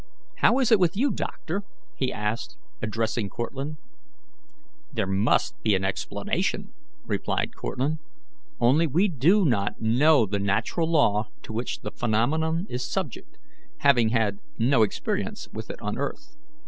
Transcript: How is it with you, doctor?" he asked, addressing Cortlandt. "There must be an explanation," replied Cortlandt, "only we do not know the natural law to which the phenomenon is subject, having had no experience with it on earth.